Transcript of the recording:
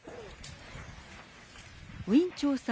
ウィン・チョウさん